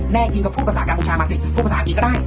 จริงก็พูดภาษากัมพูชามาสิพูดภาษาอังกฤษก็ได้